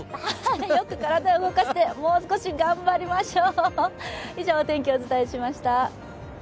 よく体を動かしてもう少し頑張りましょう！